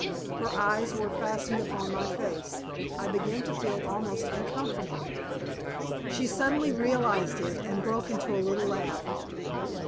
Her eyes were fastened upon my face. I began to feel almost uncomfortable. She suddenly realized it, and broke into a little laugh.